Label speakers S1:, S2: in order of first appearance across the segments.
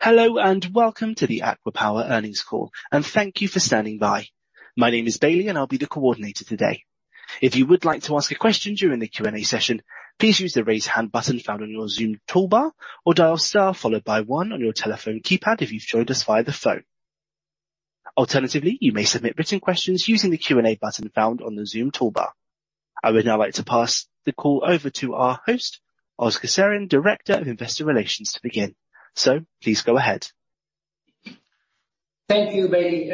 S1: Hello, welcome to the ACWA Power earnings call, and thank you for standing by. My name is Bailey, and I will be the coordinator today. If you would like to ask a question during the Q&A session, please use the raise hand button found on your Zoom toolbar or dial star followed by 1 on your telephone keypad if you have joined us via the phone. Alternatively, you may submit written questions using the Q&A button found on the Zoom toolbar. I would now like to pass the call over to our host, Ozgur Serin, Director of Investor Relations, to begin. Please go ahead.
S2: Thank you, Bailey,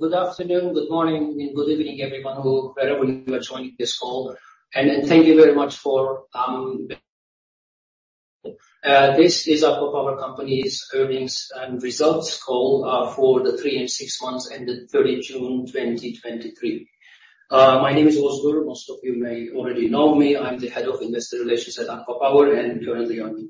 S2: good afternoon, good morning and good evening, everyone wherever you are joining this call. This is ACWA Power company's earnings and results call for the 3 and 6 months ended 30 June 2023. My name is Ozgur. Most of you may already know me. I am the Head of Investor Relations at ACWA Power and currently on the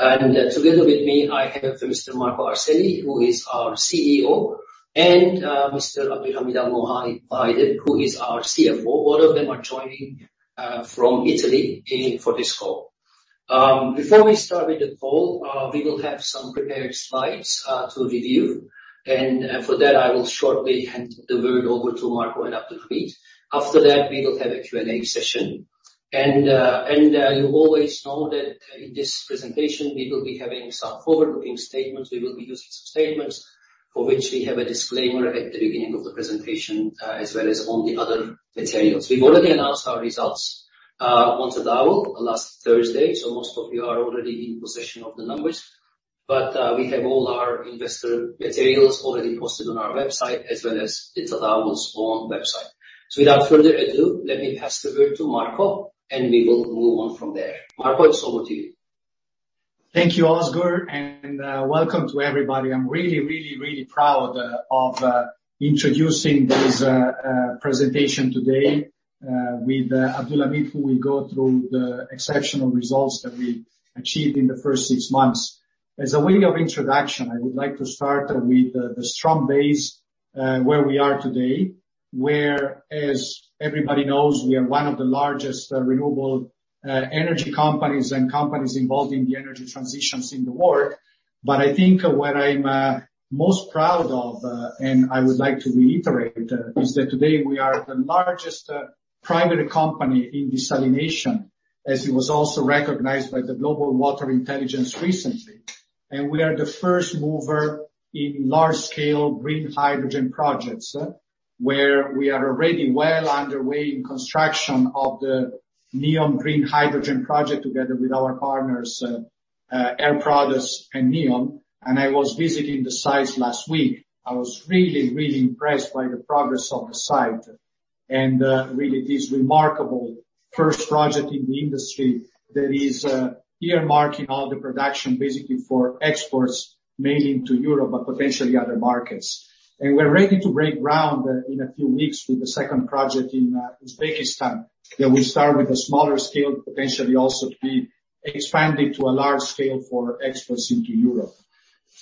S2: IR. Together with me, I have Mr. Marco Arcelli, who is our CEO, and Mr. Abdulhameed Al-Muhaidib, who is our CFO. Both of them are joining from Italy for this call. Before we start with the call, we will have some prepared slides to review, and for that, I will shortly hand the word over to Marco and Abdulhamid. After that, we will have a Q&A session. You always know that in this presentation, we will be having some forward-looking statements. We will be using some statements for which we have a disclaimer at the beginning of the presentation, as well as on the other materials. We have already announced our results on Tadawul last Thursday, so most of you are already in possession of the numbers, but we have all our investor materials already posted on our website as well as Tadawul's own website. Without further ado, let me pass the word to Marco and we will move on from there. Marco, it is over to you.
S3: Thank you, Ozgur, welcome to everybody. I am really proud of introducing this presentation today with Abdulhamid, who will go through the exceptional results that we achieved in the first 6 months. As a way of introduction, I would like to start with the strong base where we are today, where, as everybody knows, we are one of the largest renewable energy companies and companies involved in the energy transitions in the world. I think what I am most proud of, and I would like to reiterate, is that today we are the largest private company in desalination, as it was also recognized by the Global Water Intelligence recently. We are the first mover in large-scale green hydrogen projects, where we are already well underway in construction of the NEOM Green Hydrogen project together with our partners, Air Products and NEOM, and I was really impressed by the progress of the site and really this remarkable first project in the industry that is earmarking all the production basically for exports mainly into Europe but potentially other markets. We're ready to break ground in a few weeks with the second project in Uzbekistan that will start with a smaller scale, potentially also to be expanded to a large scale for exports into Europe.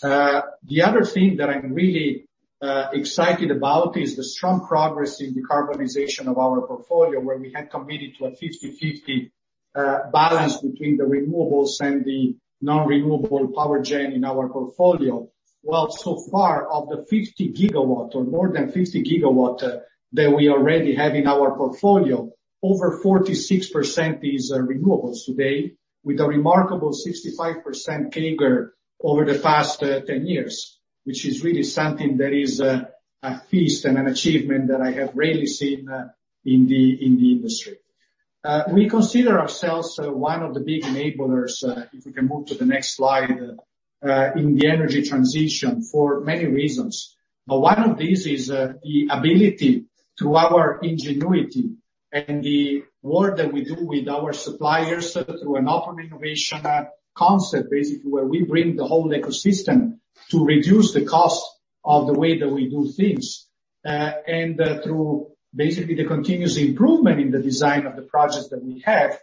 S3: The other thing that I'm really excited about is the strong progress in decarbonization of our portfolio where we had committed to a 50/50 balance between the renewables and the non-renewable power gen in our portfolio. Well, so far of the 50 gigawatt or more than 50 gigawatt that we already have in our portfolio, over 46% is renewables today with a remarkable 65% CAGR over the past 10 years, which is really something that is a feast and an achievement that I have rarely seen in the industry. We consider ourselves one of the big enablers, if we can move to the next slide, in the energy transition for many reasons. One of these is the ability through our ingenuity and the work that we do with our suppliers through an open innovation concept, basically, where we bring the whole ecosystem to reduce the cost of the way that we do things, and through basically the continuous improvement in the design of the projects that we have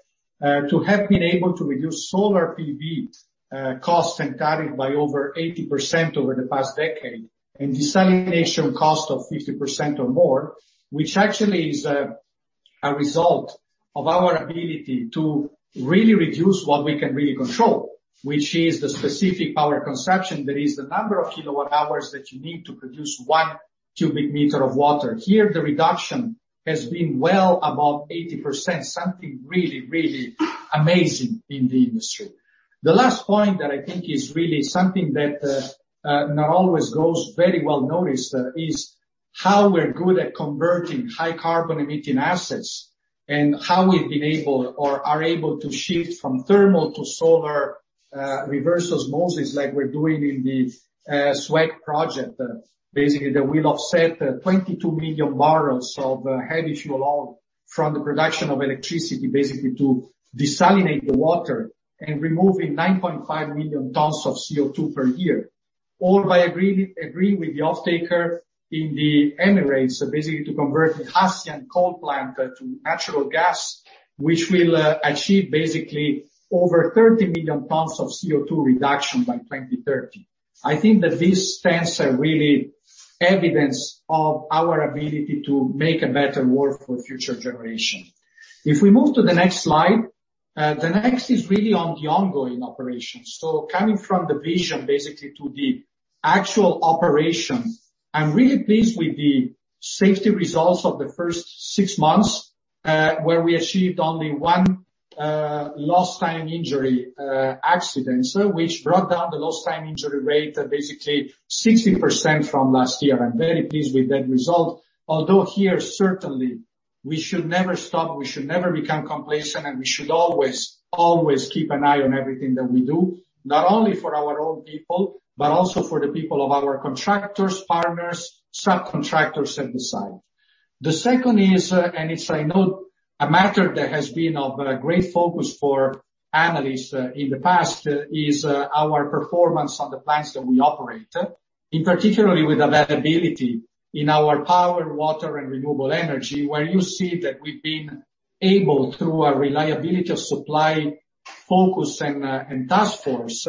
S3: to have been able to reduce solar PV costs and CapEx by over 80% over the past decade, and desalination cost of 50% or more, which actually is a result of our ability to really reduce what we can really control, which is the specific power consumption, that is the number of kilowatt hours that you need to produce one cubic meter of water. Here, the reduction has been well above 80%, something really amazing in the industry. The last point that I think is really something that not always goes very well noticed is how we're good at converting high carbon emitting assets and how we've been able or are able to shift from thermal to solar reverse osmosis like we're doing in the SWPC project. Basically, that will offset 22 million barrels of heavy fuel oil from the production of electricity, basically to desalinate the water and removing 9.5 million tons of CO2 per year, all by agree with the offtaker in the Emirates, basically to convert the Hassyan coal plant to natural gas, which will achieve basically over 30 million tons of CO2 reduction by 2030. I think that this stance really evidence of our ability to make a better world for future generation. If we move to the next slide, the next is really on the ongoing operations. Coming from the vision basically to the actual operation, I'm really pleased with the safety results of the first six months, where we achieved only one lost time injury accidents, which brought down the lost time injury rate basically 60% from last year. I'm very pleased with that result. Here, certainly, we should never stop, we should never become complacent, and we should always keep an eye on everything that we do, not only for our own people, but also for the people of our contractors, partners, subcontractors at the site. The second is, it's a matter that has been of a great focus for analysts in the past, is our performance on the plants that we operate. In particularly with availability in our power, water, and renewable energy, where you see that we've been able, through our reliability of supply focus and task force,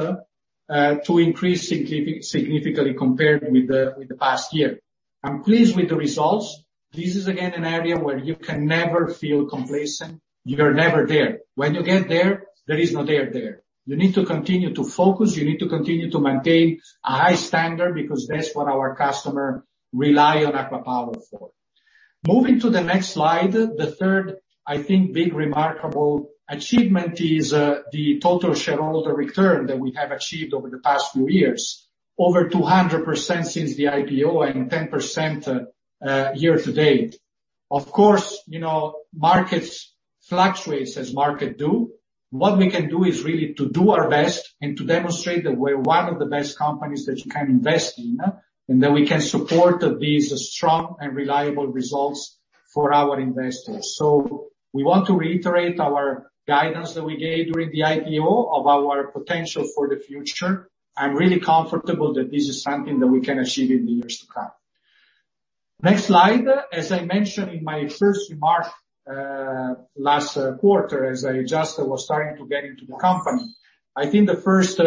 S3: to increase significantly compared with the past year. I'm pleased with the results. This is again, an area where you can never feel complacent. You are never there. When you get there is no there. You need to continue to focus, you need to continue to maintain a high standard, because that's what our customer rely on ACWA Power for. Moving to the next slide, the third, I think big, remarkable achievement is the total shareholder return that we have achieved over the past few years. Over 200% since the IPO and 10% year to date. Markets fluctuates as market do. What we can do is really to do our best and to demonstrate that we're one of the best companies that you can invest in, and that we can support these strong and reliable results for our investors. We want to reiterate our guidance that we gave during the IPO of our potential for the future. I'm really comfortable that this is something that we can achieve in the years to come. Next slide. As I mentioned in my first remark last quarter, as I just was starting to get into the company, I think the first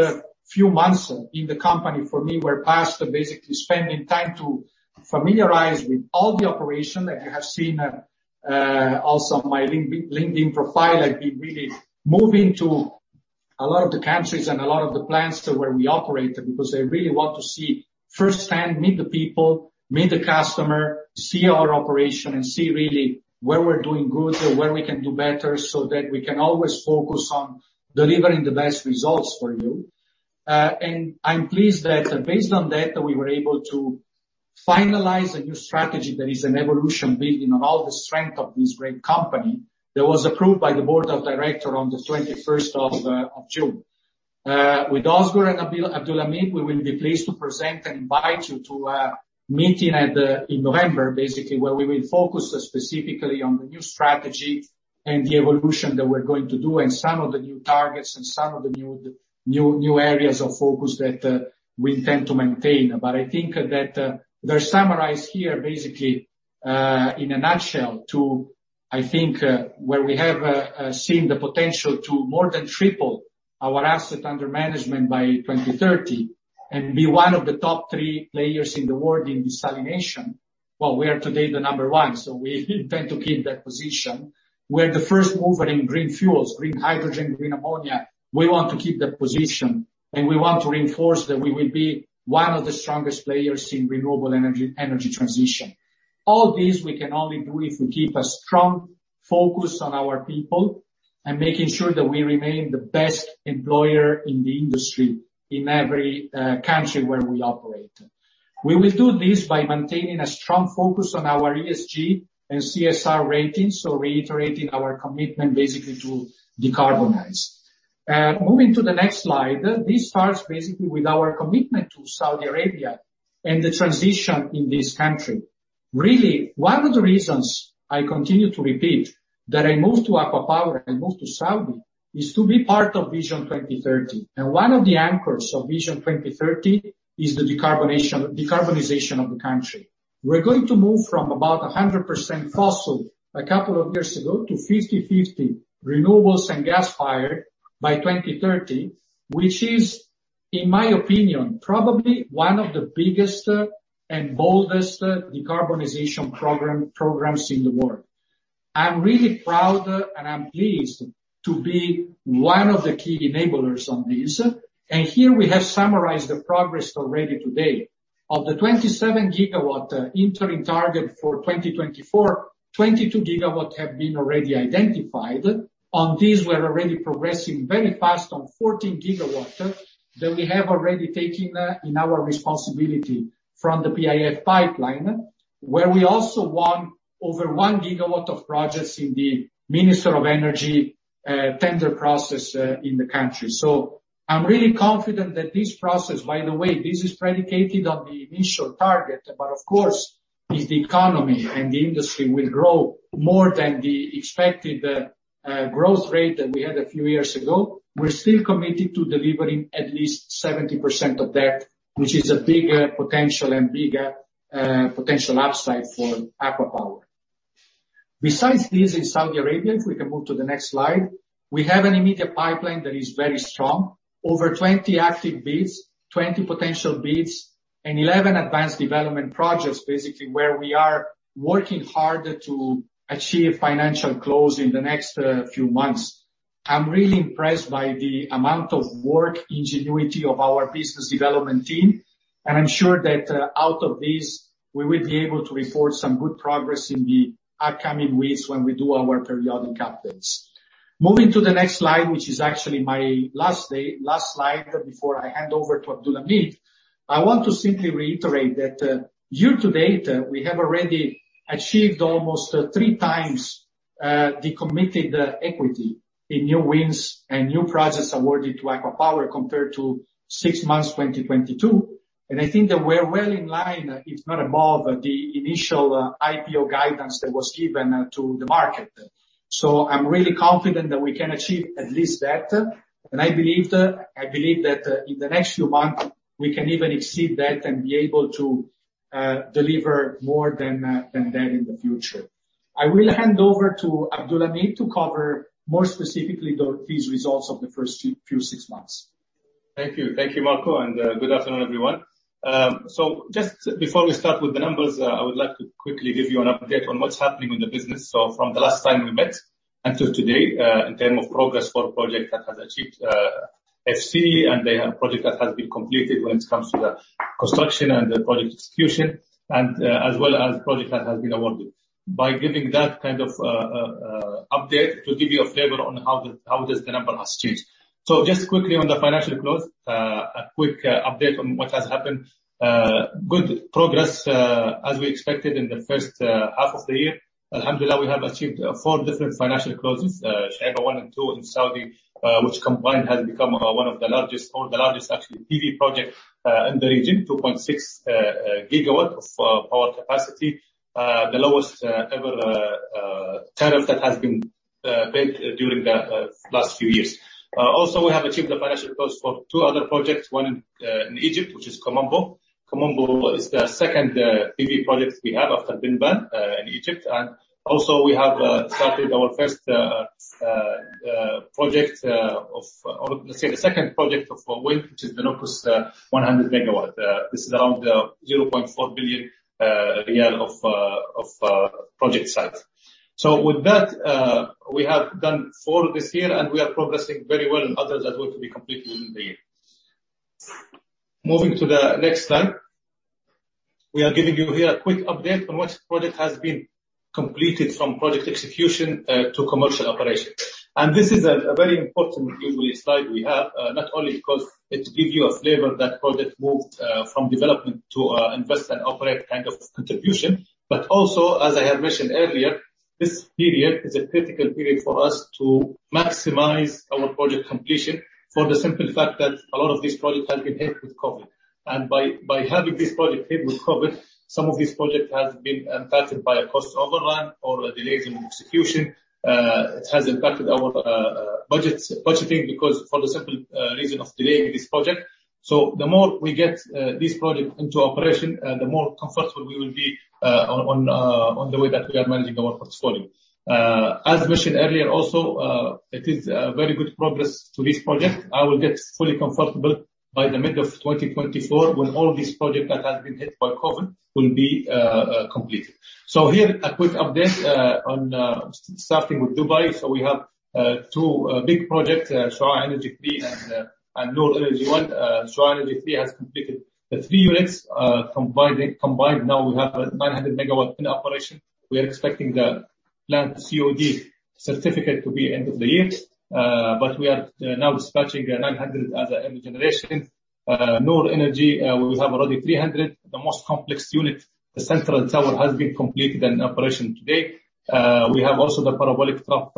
S3: few months in the company for me were passed basically spending time to familiarize with all the operation. You have seen also my LinkedIn profile. I've been really moving to a lot of the countries and a lot of the plants where we operate because I really want to see firsthand, meet the people, meet the customer, see our operation, and see really where we're doing good, where we can do better, so that we can always focus on delivering the best results for you. I'm pleased that based on that, we were able to finalize a new strategy that is an evolution building on all the strength of this great company, that was approved by the board of director on the 21st of June. With Ozgur and Abdulhameed, we will be pleased to present and invite you to a meeting in November, basically, where we will focus specifically on the new strategy and the evolution that we're going to do and some of the new targets and some of the new areas of focus that we intend to maintain. I think that they're summarized here basically, in a nutshell, to, I think, where we have seen the potential to more than triple our asset under management by 2030 and be one of the top three players in the world in desalination. Well, we are today the number one, so we intend to keep that position. We're the first mover in green fuels, green hydrogen, green ammonia. We want to keep that position, and we want to reinforce that we will be one of the strongest players in renewable energy transition. All this we can only do if we keep a strong focus on our people and making sure that we remain the best employer in the industry in every country where we operate. We will do this by maintaining a strong focus on our ESG and CSR ratings, so reiterating our commitment basically to decarbonize. Moving to the next slide. This starts basically with our commitment to Saudi Arabia and the transition in this country. Really, one of the reasons I continue to repeat that I moved to ACWA Power and moved to Saudi, is to be part of Vision 2030. And one of the anchors of Vision 2030 is the decarbonization of the country. We're going to move from about 100% fossil a couple of years ago to 50/50 renewables and gas fire by 2030, which is, in my opinion, probably one of the biggest and boldest decarbonization programs in the world. I'm really proud and I'm pleased to be one of the key enablers on this. And here we have summarized the progress already today. Of the 27 GW interim target for 2024, 22 GW have been already identified. On this, we're already progressing very fast on 14 GW that we have already taken in our responsibility from the PIF pipeline, where we also won over one GW of projects in the Ministry of Energy tender process in the country. By the way, this is predicated on the initial target, but of course, if the economy and the industry will grow more than the expected growth rate that we had a few years ago, we're still committed to delivering at least 70% of that, which is a bigger potential and bigger potential upside for ACWA Power. Besides this, in Saudi Arabia, if we can move to the next slide, we have an immediate pipeline that is very strong. Over 20 active bids, 20 potential bids, and 11 advanced development projects, basically, where we are working hard to achieve financial close in the next few months. I'm really impressed by the amount of work ingenuity of our business development team. I'm sure that out of this, we will be able to report some good progress in the upcoming weeks when we do our periodic updates. Moving to the next slide, which is actually my last slide before I hand over to Abdulhameed, I want to simply reiterate that year-to-date, we have already achieved almost three times the committed equity in new wins and new projects awarded to ACWA Power compared to six months 2022. I think that we're well in line, if not above, the initial IPO guidance that was given to the market. I'm really confident that we can achieve at least that. I believe that in the next few months, we can even exceed that and be able to deliver more than that in the future. I will hand over to Abdulhameed to cover more specifically these results of the first few six months.
S4: Thank you, Marco. Good afternoon, everyone. Just before we start with the numbers, I would like to quickly give you an update on what's happening in the business. From the last time we met until today, in term of progress for project that has achieved FC and the project that has been completed when it comes to the construction and the project execution and as well as project that has been awarded. By giving that kind of update to give you a flavor on how does the number has changed. Just quickly on the financial close, a quick update on what has happened. Good progress, as we expected in the first half of the year. Alhamdulillah, we have achieved four different financial closes, Shaybah One and Two in Saudi, which combined has become one of the largest, or the largest actually, PV project in the region, 2.6 gigawatt of power capacity, the lowest ever tariff that has been bid during the last few years. Also, we have achieved the financial close for two other projects, one in Egypt, which is Kom Ombo. Kom Ombo is the second PV project we have after Benban in Egypt, and also we have started our second project of wind, which is the Nuqus 100 megawatt. This is around SAR 0.4 billion of project size. With that, we have done four this year. We are progressing very well in others that will be completed within the year. Moving to the next slide. We are giving you here a quick update on which project has been completed from project execution to commercial operation. This is a very important slide we have, not only because it gives you a flavor that project moved from development to invest and operate kind of contribution, but also, as I have mentioned earlier, this period is a critical period for us to maximize our project completion for the simple fact that a lot of these projects have been hit with COVID. By having these projects hit with COVID, some of these projects have been impacted by a cost overrun or delays in execution. It has impacted our budgeting because for the simple reason of delaying this project. The more we get these projects into operation, the more comfortable we will be on the way that we are managing our portfolio. As mentioned earlier also, it is very good progress to this project. I will get fully comfortable by the middle of 2024 when all these projects that have been hit by COVID will be completed. Here, a quick update on starting with Dubai. We have two big projects, Shuaa Energy 3 and Noor Energy 1. Shuaa Energy 3 has completed the three units. Combined now we have 900 MW in operation. We are expecting the plant COD certificate to be end of the year. We are now dispatching 900 as energy generation. Noor Energy, we have already 300. The most complex unit, the central tower, has been completed and in operation today. We have also the parabolic trough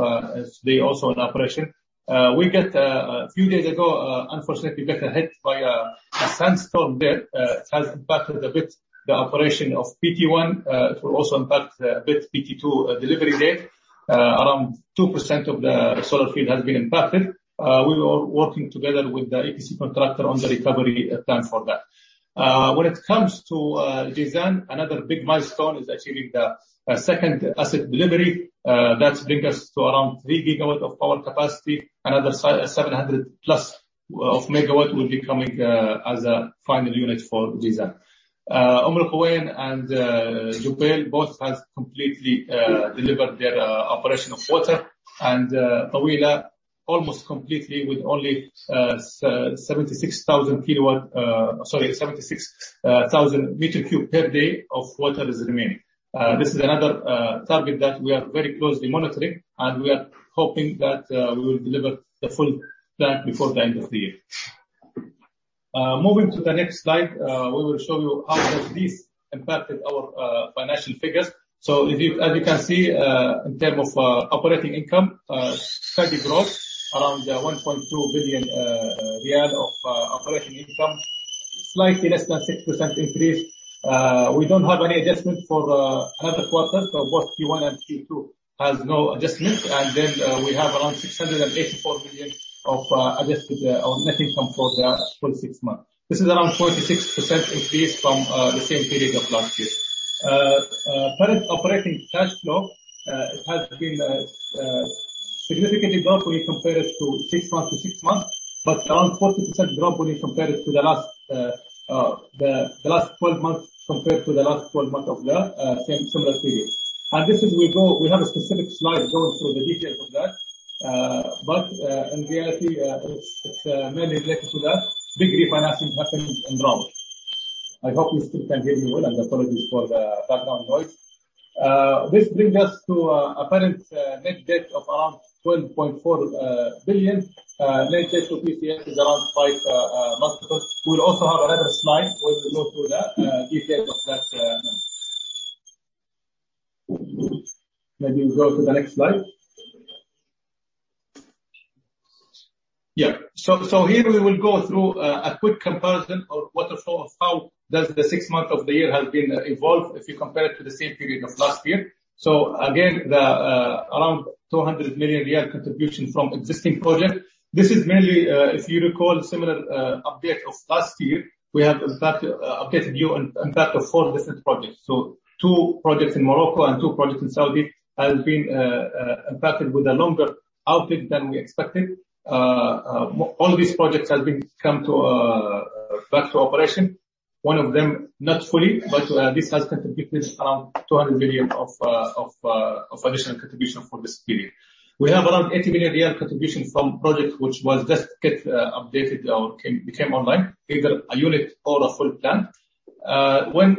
S4: today also in operation. A few days ago, unfortunately, we got hit by a sandstorm there. It has impacted a bit the operation of PT1. It will also impact a bit PT2 delivery date. Around 2% of the solar field has been impacted. We are working together with the EPC contractor on the recovery plan for that. When it comes to design, another big milestone is achieving the second asset delivery. That brings us to around 3 GW of power capacity. Another 700+ MW will be coming as a final unit for visa. Umm Al Quwain and Jubail both have completely delivered their operation of water, and Taweelah almost completely with only 76,000 cubic meters per day of water is remaining. This is another target that we are very closely monitoring, and we are hoping that we will deliver the full plant before the end of the year. Moving to the next slide, we will show you how has this impacted our financial figures. As you can see, in terms of operating income, steady growth around SAR 1.2 billion of operating income, slightly less than 6% increase. We don't have any adjustment for another quarter. Both Q1 and Q2 have no adjustment. We have around 684 million of net income for the full six months. This is around 46% increase from the same period of last year. Current operating cash flow significantly dropped when you compare it to six months to six months, but around 40% dropped when you compare it to the last 12 months compared to the last 12 months of the similar period. This is we have a specific slide going through the detail of that. In reality, it's mainly related to the big refinancing happened in RAWEC. I hope you still can hear me well, and apologies for the background noise. This brings us to a apparent net debt of around 12.4 billion. Net debt to EBITDA is around 5x multiples. We will also have another slide where we go through the detail of that. Maybe we go to the next slide. Here we will go through a quick comparison or waterfall of how does the six months of the year has been evolved if you compare it to the same period of last year. Again, the around 200 million riyal contribution from existing projects. This is mainly, if you recall, similar update of last year, we have impacted, updated you on impact of four distinct projects. Two projects in Morocco and two projects in Saudi has been impacted with a longer outage than we expected. All these projects have come back to operation. One of them not fully, but this has contributed around 80 million of additional contribution for this period. We have around SAR 80 million contribution from project, which was just get updated or became online, either a unit or a full plant. When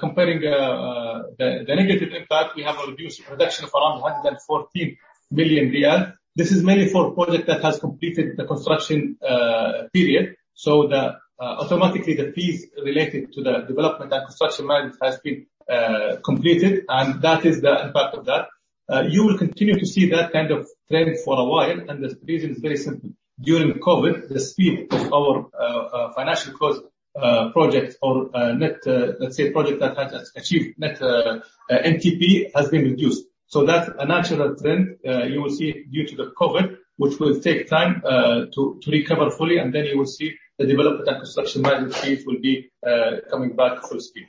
S4: comparing the negative impact, we have a reduction of around 114 billion riyal. This is mainly for a project that has completed the construction period. Automatically, the fees related to the development and construction management has been completed, and that is the impact of that. You will continue to see that kind of trend for a while, and the reason is very simple. During COVID, the speed of our financial close projects or, let's say, project that has achieved net NTP has been reduced. That's a natural trend you will see due to the COVID, which will take time to recover fully, and then you will see the development and construction management fees will be coming back full speed.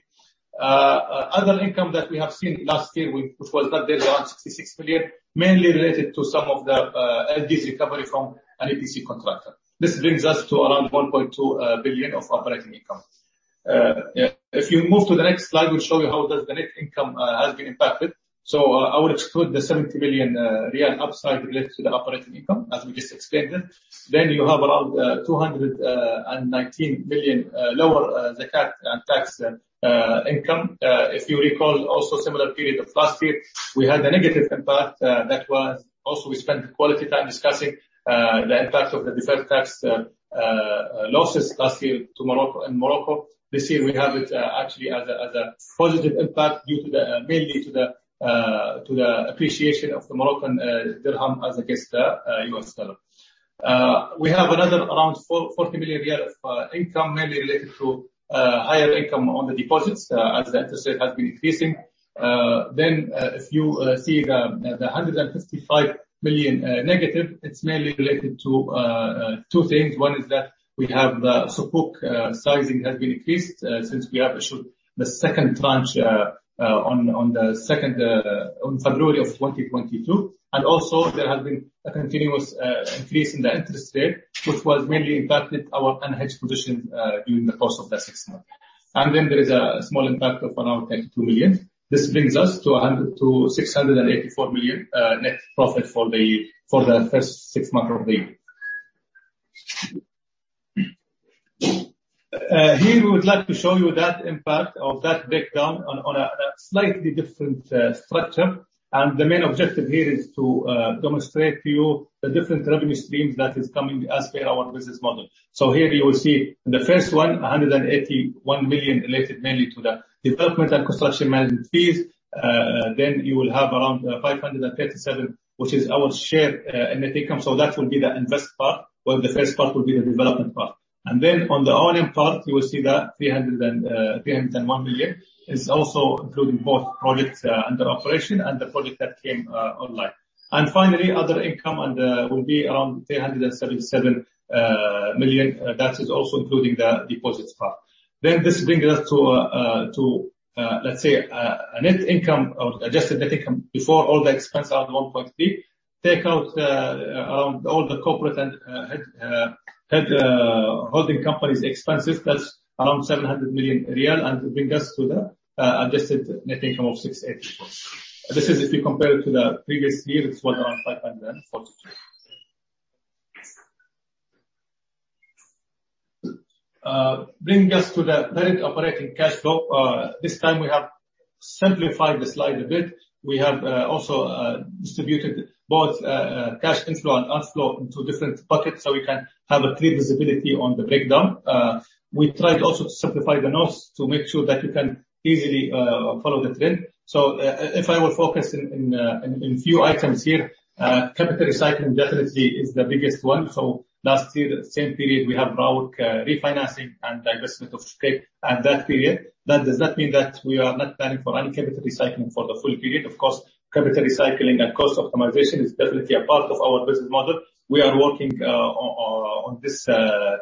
S4: Other income that we have seen last year, which was that there around 66 million, mainly related to some of the LDs recovery from an EPC contractor. This brings us to around 1.2 billion of operating income. If you move to the next slide, we will show you how does the net income has been impacted. I will exclude the SAR 70 million upside related to the operating income, as we just explained it. You have around 219 million lower zakat and tax income. If you recall also similar period of last year, we had a negative impact that was also we spent quality time discussing the impact of the deferred tax losses last year in Morocco. This year we have it actually as a positive impact due to the, mainly to the appreciation of the Moroccan dirham as against the U.S. dollar. We have another around 40 million of income, mainly related to higher income on the deposits as the interest rate has been increasing. If you see the 165 million negative, it's mainly related to two things. One is that we have Sukuk sizing has been increased since we have issued the second tranche on February 2022. Also there has been a continuous increase in the interest rate, which was mainly impacted our unhedged positions during the course of the six months. There is a small impact of around 22 million. This brings us to 684 million net profit for the first six months of the year. Here we would like to show you that impact of that breakdown on a slightly different structure. The main objective here is to demonstrate to you the different revenue streams that is coming as per our business model. Here you will see the first one, 181 million related mainly to the development and construction management fees. You will have around 537, which is our share in net income. That will be the invest part, while the first part will be the development part. On the O&M part, you will see that 301 million is also including both projects under operation and the project that came online. Other income will be around 377 million. That is also including the deposits part. This brings us to, let's say, a net income or adjusted net income before all the expense around 1.3. Take out around all the corporate and head holding companies expenses, that's around SAR 700 million, and bring us to the adjusted net income of 684. This is if you compare it to the previous year, it was around SAR 542. Bringing us to the period operating cash flow. This time we have simplified the slide a bit. We have also distributed both cash inflow and outflow into different buckets so we can have a clear visibility on the breakdown. We tried also to simplify the notes to make sure that you can easily follow the trend. If I will focus in few items here, capital recycling definitely is the biggest one. Last year, the same period, we have RAWEC refinancing and divestment of SCIP at that period. That does not mean that we are not planning for any capital recycling for the full period. Of course, capital recycling and cost optimization is definitely a part of our business model. We are working on this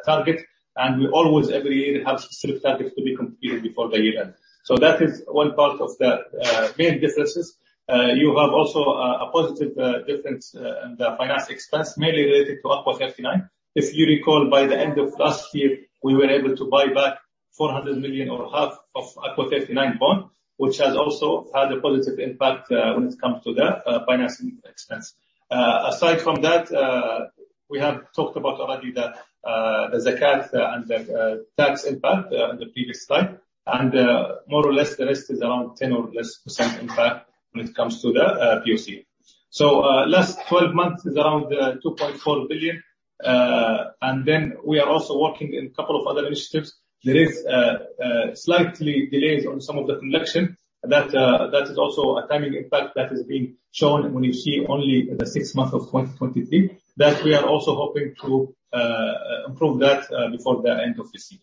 S4: target, and we always every year have specific targets to be completed before the year ends. That is one part of the main differences. You have also a positive difference in the finance expense, mainly related to ACWA 59. If you recall, by the end of last year, we were able to buy back 400 million or half of ACWA 59 bond, which has also had a positive impact when it comes to the financing expense. Aside from that, we have talked about already the zakat and the tax impact in the previous slide. More or less the rest is around 10% or less impact when it comes to the POCF. Last 12 months is around 2.4 billion. We are also working in a couple of other initiatives. There is slightly delays on some of the collection. That is also a timing impact that is being shown when you see only the six months of 2023, that we are also hoping to improve that before the end of this year.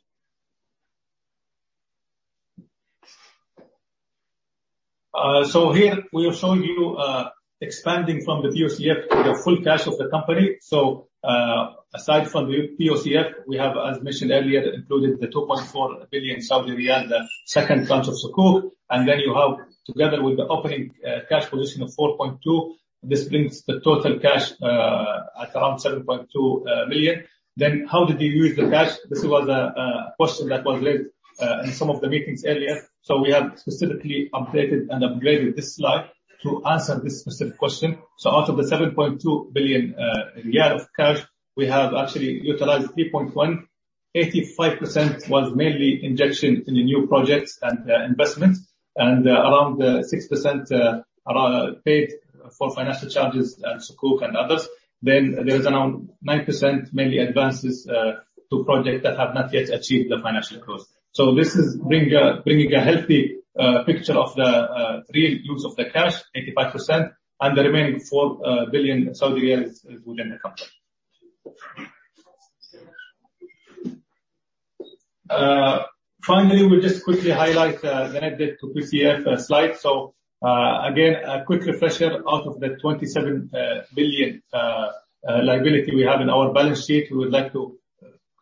S4: Here we are showing you expanding from the POCF to the full cash of the company. Aside from the POCF, we have, as mentioned earlier, included the 2.4 billion Saudi riyal, the second tranche of Sukuk. You have together with the opening cash position of 4.2 billion, this brings the total cash at around 7.2 billion. How did you use the cash? This was a question that was raised in some of the meetings earlier. We have specifically updated and upgraded this slide to answer this specific question. Out of the 7.2 billion of cash, we have actually utilized 3.1 billion. 85% was mainly injection in the new projects and investments, and around 6% paid for financial charges and Sukuk and others. There is around 9% mainly advances to projects that have not yet achieved the financial close. This is bringing a healthy picture of the real use of the cash, 85%, and the remaining 4 billion Saudi riyal is within the company. Finally, we'll just quickly highlight the net debt to POCF slide. Again, a quick refresher. Out of the 27 billion liability we have in our balance sheet, we would like to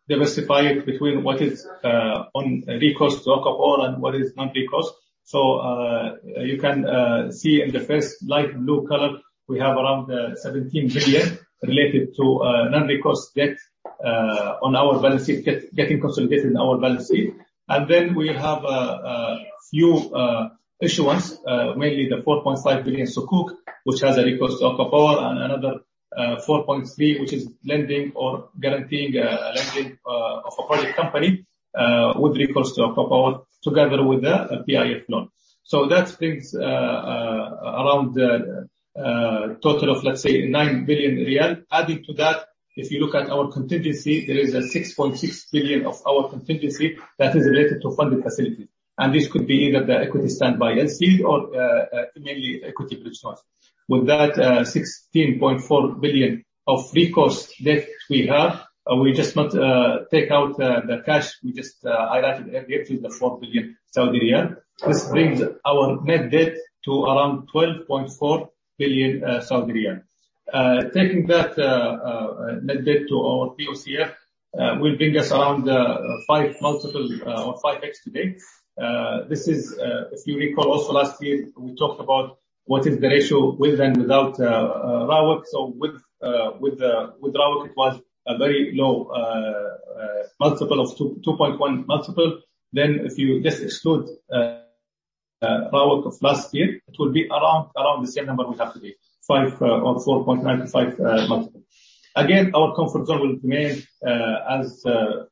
S4: diversify it between what is on recourse to ACWA Power and what is non-recourse. You can see in the first light blue color, we have around 17 billion related to non-recourse debt on our balance sheet, getting consolidated in our balance sheet. We have a few issuance, mainly the 4.5 billion Sukuk, which has a recourse to ACWA Power, and another 4.3 billion which is lending or guaranteeing a lending of a project company with recourse to ACWA Power together with the PIF loan. That brings around a total of let's say SAR 9 billion. Adding to that, if you look at our contingency, there is a 6.6 billion of our contingency that is related to funded facilities. This could be either the equity standby LC or mainly equity bridge loans. With that 16.4 billion of recourse debt we have, we just want to take out the cash we just highlighted earlier to the 4 billion Saudi riyal. This brings our net debt to around 12.4 billion Saudi riyal. Taking that net debt to our POCF will bring us around 5x multiple or 5x today. If you recall also last year we talked about what is the ratio with and without RAWEC. With RAWEC it was a very low multiple of 2.1x. If you just exclude RAWEC of last year, it will be around the same number we have today, 5x or 4.95x multiple. Our comfort zone will remain, as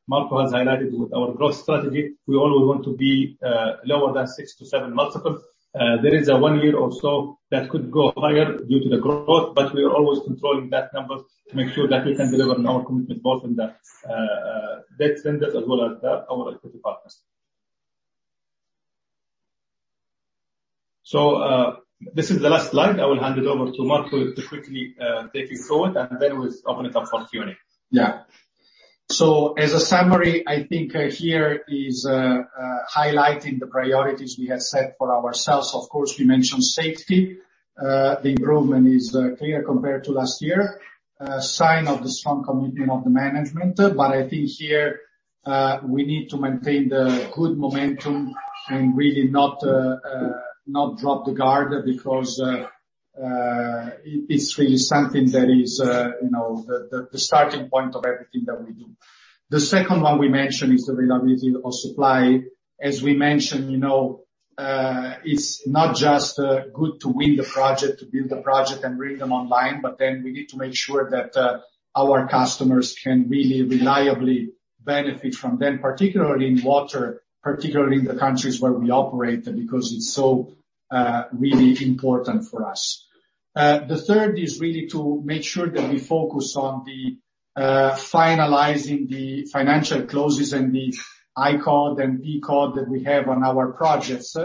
S4: Marco has highlighted with our growth strategy, we always want to be lower than 6x-7x multiple. There is a one year or so that could go higher due to the growth, but we are always controlling that number to make sure that we can deliver on our commitment, both on the debt centers as well as our equity partners. This is the last slide. I will hand it over to Marco to quickly take you through it, and then we will open it up for Q&A.
S3: As a summary, I think here is highlighting the priorities we have set for ourselves. Of course, we mentioned safety. The improvement is clear compared to last year. A sign of the strong commitment of the management. I think here, we need to maintain the good momentum and really not drop the guard because it's really something that is the starting point of everything that we do. The second one we mentioned is the reliability of supply. As we mentioned, it's not just good to win the project, to build the project and bring them online, but then we need to make sure that our customers can really reliably benefit from them, particularly in water, particularly in the countries where we operate, because it's so really important for us. The third is really to make sure that we focus on the finalizing the financial closes and the ICOD and DCOD that we have on our projects.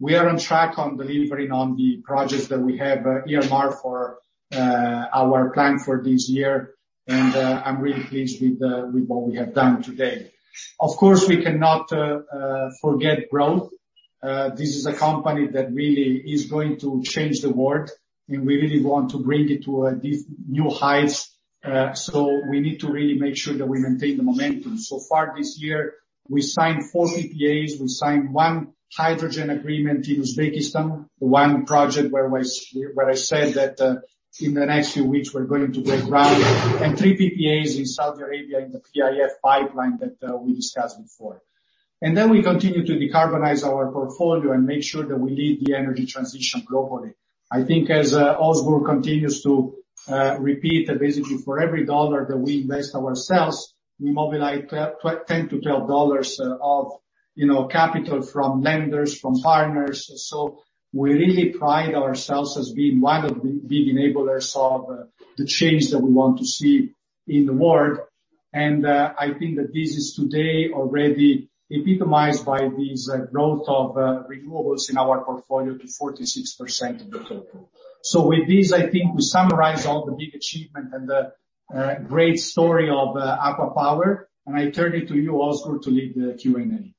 S3: We are on track on delivering on the projects that we have earmarked for our plan for this year, and I'm really pleased with what we have done to date. Of course, we cannot forget growth. This is a company that really is going to change the world, and we really want to bring it to new heights. We need to really make sure that we maintain the momentum. So far this year, we signed four PPAs. We signed one hydrogen agreement in Uzbekistan. One project where I said that in the next few weeks, we're going to break ground and three PPAs in Saudi Arabia in the PIF pipeline that we discussed before. We continue to decarbonize our portfolio and make sure that we lead the energy transition globally. I think as Ozgur continues to repeat, basically, for every dollar that we invest ourselves, we mobilize $10-$12 of capital from lenders, from partners. We really pride ourselves as being one of the big enablers of the change that we want to see in the world.
S4: I think that this is today already epitomized by this growth of renewables in our portfolio to 46% of the total. With this, I think we summarize all the big achievement and the great story of ACWA Power. I turn it to you, Ozgur, to lead the Q&A.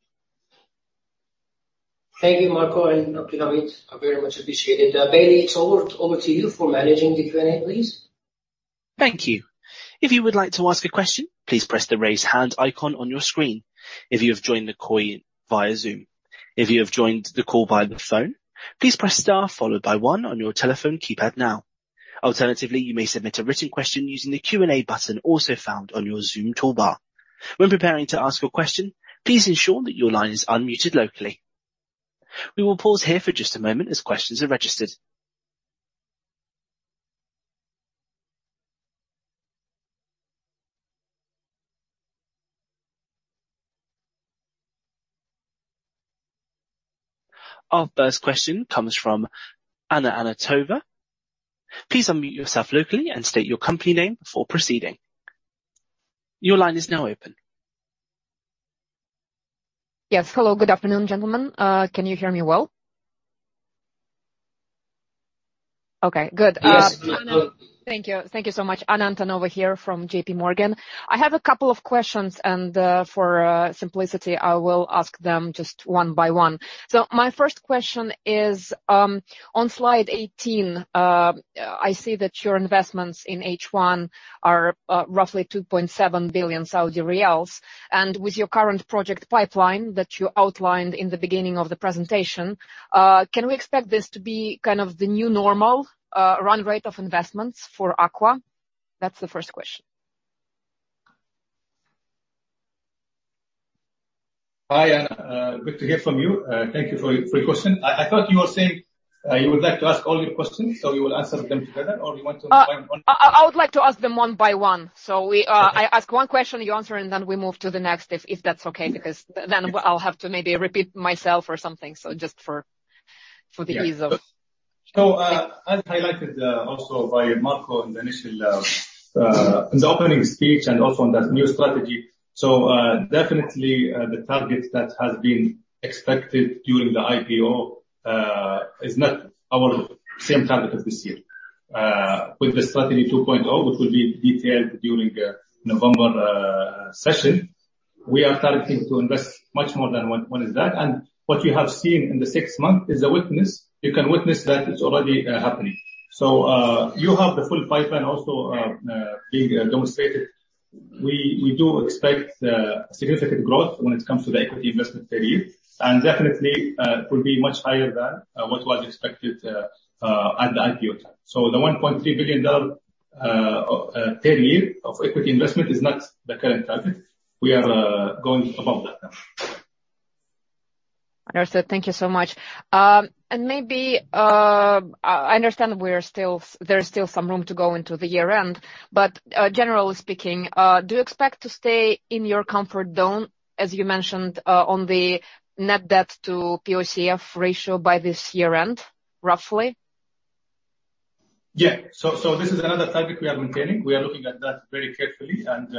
S2: Thank you, Marco and Abdulaziz. Very much appreciated. Bailey, over to you for managing the Q&A, please.
S1: Thank you. If you would like to ask a question, please press the raise hand icon on your screen if you have joined the call via Zoom. If you have joined the call via the phone, please press star followed by one on your telephone keypad now. Alternatively, you may submit a written question using the Q&A button also found on your Zoom toolbar. When preparing to ask a question, please ensure that your line is unmuted locally. We will pause here for just a moment as questions are registered. Our first question comes from Anna Antonova. Please unmute yourself locally and state your company name before proceeding. Your line is now open.
S5: Yes. Hello. Good afternoon, gentlemen. Can you hear me well? Okay, good.
S4: Yes.
S2: Yes.
S5: Thank you. Thank you so much. Anna Antonova here from J.P. Morgan. I have a couple of questions and, for simplicity, I will ask them just one by one. My first question is, on slide 18, I see that your investments in H1 are roughly 2.7 billion Saudi riyals, and with your current project pipeline that you outlined in the beginning of the presentation, can we expect this to be kind of the new normal run rate of investments for ACWA? That's the first question.
S4: Hi, Anna. Good to hear from you. Thank you for your question. I thought you were saying you would like to ask all your questions, you will ask them together, or you want to ask one by one?
S5: I would like to ask them one by one. I ask one question, you answer, and then we move to the next, if that's okay, because then I'll have to maybe repeat myself or something. Just for the ease of-
S4: As highlighted also by Marco in the opening speech and also on that new strategy. Definitely, the target that has been expected during the IPO is not our same target as this year. With the Strategy 2.0, which will be detailed during November session, we are targeting to invest much more than what is that. What you have seen in the six months, you can witness that it's already happening. You have the full pipeline also being demonstrated. We do expect significant growth when it comes to the equity investment per year, and definitely it will be much higher than what was expected at the IPO time. The SAR 1.3 billion per year of equity investment is not the current target. We are going above that now.
S5: Understood. Thank you so much. Maybe, I understand there is still some room to go into the year-end, but generally speaking, do you expect to stay in your comfort zone, as you mentioned, on the net debt to POCF ratio by this year-end, roughly?
S4: Yeah. This is another target we are maintaining. We are looking at that very carefully, and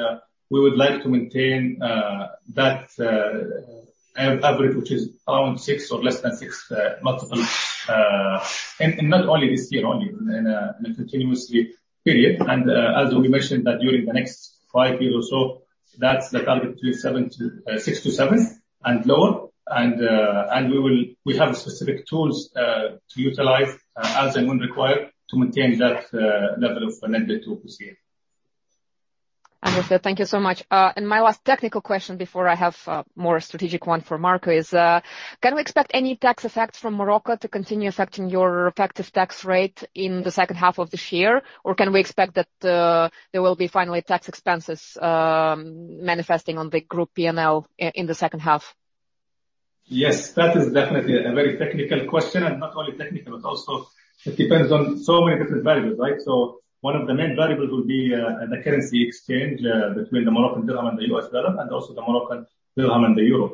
S4: we would like to maintain that average, which is around six or less than six multiple. Not only this year, in a continuously period. As we mentioned that during the next five years or so, that's the target, six to seven and lower. We have specific tools to utilize as and when required to maintain that level of net debt to POCF.
S5: Understood. Thank you so much. My last technical question before I have a more strategic one for Marco is, can we expect any tax effects from Morocco to continue affecting your effective tax rate in the second half of this year, or can we expect that there will be finally tax expenses manifesting on the group P&L in the second half?
S4: Yes. That is definitely a very technical question, and not only technical, but also it depends on so many different variables, right? One of the main variables would be the currency exchange between the Moroccan dirham and the US dollar, and also the Moroccan dirham and the euro.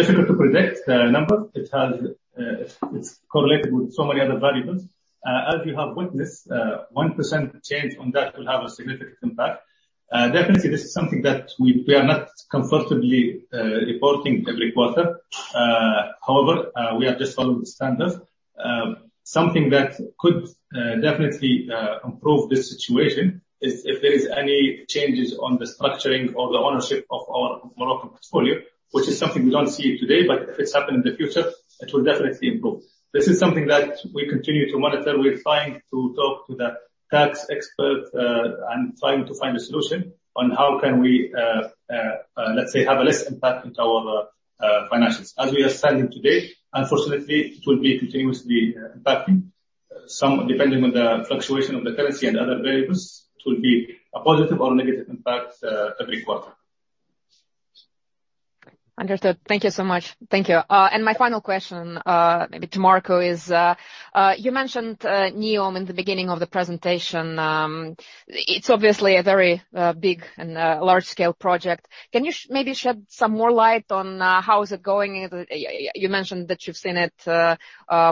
S4: Difficult to predict the number. It's correlated with so many other variables. As you have witnessed, 1% change on that will have a significant impact. Definitely, this is something that we are not comfortably reporting every quarter. However, we are just following the standard. Something that could definitely improve this situation is if there is any changes on the structuring or the ownership of our Moroccan portfolio, which is something we don't see today, but if it's happened in the future, it will definitely improve. This is something that we continue to monitor. We're trying to talk to the tax expert and trying to find a solution on how can we, let's say, have a less impact into our financials. As we are standing today, unfortunately, it will be continuously impacting some, depending on the fluctuation of the currency and other variables, it will be a positive or negative impact every quarter.
S5: Understood. Thank you so much. Thank you. My final question, maybe to Marco, is, you mentioned NEOM in the beginning of the presentation. It's obviously a very big and large-scale project. Can you maybe shed some more light on how is it going? You mentioned that you've seen it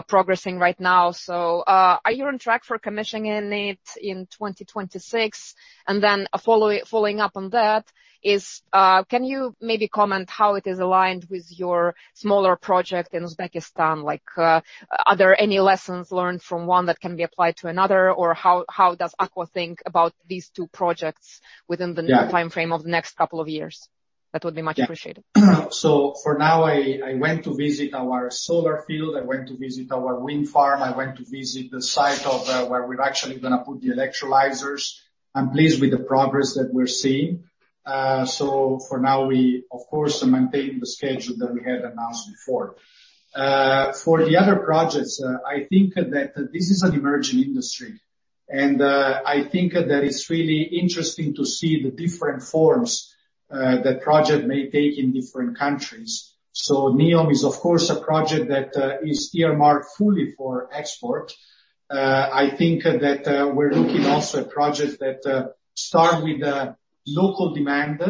S5: progressing right now. Are you on track for commissioning it in 2026? Then following up on that is, can you maybe comment how it is aligned with your smaller project in Uzbekistan? Are there any lessons learned from one that can be applied to another? Or how does ACWA think about these two projects.
S3: Yeah
S5: What is the timeframe of the next couple of years? That would be much appreciated.
S3: Yeah. For now, I went to visit our solar field, I went to visit our wind farm, I went to visit the site of where we're actually going to put the electrolyzers. I'm pleased with the progress that we're seeing. For now, we, of course, are maintaining the schedule that we had announced before. For the other projects, I think that this is an emerging industry, and I think that it's really interesting to see the different forms that project may take in different countries. NEOM is, of course, a project that is earmarked fully for export. I think that we're looking also at projects that start with local demand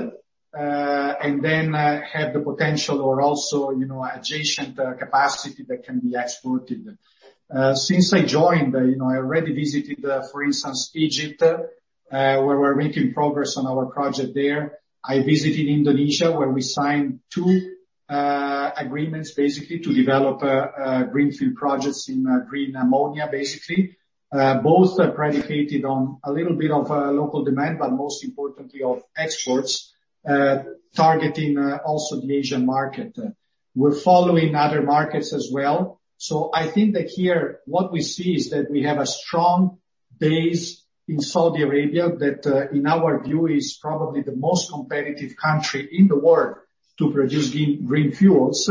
S3: and then have the potential or also adjacent capacity that can be exported. Since I joined, I already visited, for instance, Egypt, where we're making progress on our project there. I visited Indonesia, where we signed two agreements, basically to develop greenfield projects in green ammonia. Both are predicated on a little bit of local demand, but most importantly of exports, targeting also the Asian market. We're following other markets as well. I think that here what we see is that we have a strong base in Saudi Arabia that, in our view, is probably the most competitive country in the world to produce green fuels.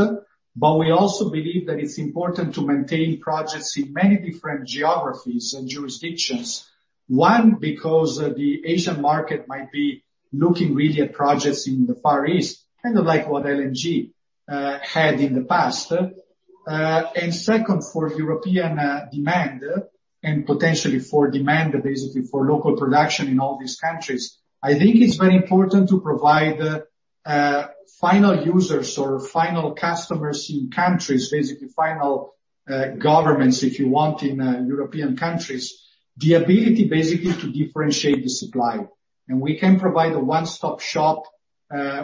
S3: We also believe that it's important to maintain projects in many different geographies and jurisdictions. One, because the Asian market might be looking really at projects in the Far East, kind of like what LNG had in the past. Second, for European demand and potentially for demand for local production in all these countries, I think it's very important to provide final users or final customers in countries, final governments, if you want, in European countries, the ability to differentiate the supply. We can provide a one-stop shop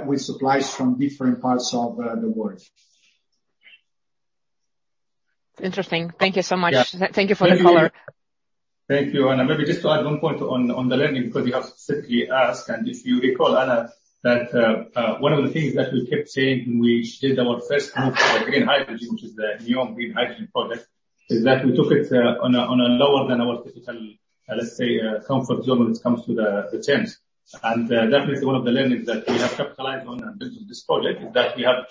S3: with supplies from different parts of the world.
S5: Interesting. Thank you so much.
S3: Yeah.
S5: Thank you for the color.
S4: Thank you, Anna. Maybe just to add one point on the learning, because you have specifically asked. If you recall, Anna, that one of the things that we kept saying when we did our first move to the green hydrogen, which is the NEOM Green Hydrogen project, is that we took it on a lower than our typical, let's say, comfort zone when it comes to the returns. Definitely one of the learnings that we have capitalized on and built on this project is that we have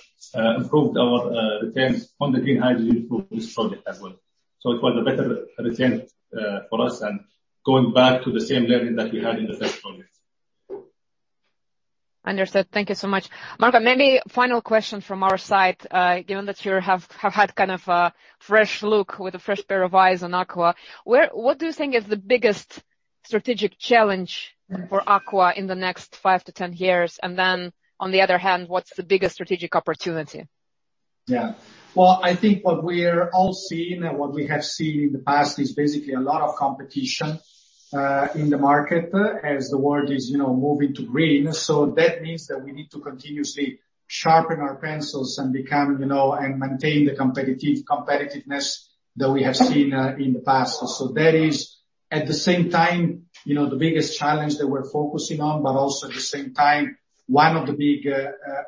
S4: improved our returns on the green hydrogen through this project as well. It was a better return for us and going back to the same learning that we had in the first project.
S5: Understood. Thank you so much. Marco, maybe final question from our side, given that you have had kind of a fresh look with a fresh pair of eyes on ACWA, what do you think is the biggest strategic challenge for ACWA in the next 5 to 10 years? On the other hand, what's the biggest strategic opportunity?
S3: I think what we are all seeing and what we have seen in the past is basically a lot of competition in the market as the world is moving to green. That means that we need to continuously sharpen our pencils and maintain the competitiveness that we have seen in the past. That is, at the same time, the biggest challenge that we're focusing on, but also at the same time, one of the big